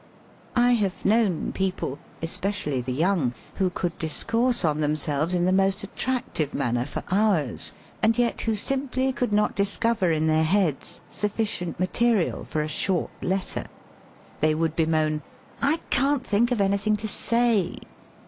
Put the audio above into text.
I have known people, especially the young, who 48 SELF AND SELF MANAGEMENT could discourse on themselves ia t)ie most at tractive manner for hours, and jet who simply could not discover in their heads sufficient ma teria for a short letter. Thcj would bemoan : "I can't think of anything to say."